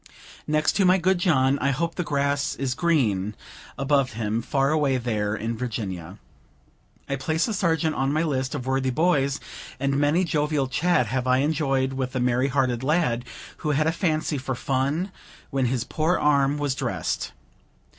Next to my good John I hope the grass is green above him, far away there in Virginia! I placed the Sergeant on my list of worthy boys; and many jovial chat have I enjoyed with the merry hearted lad, who had a fancy for fun, when his poor arm was dressed.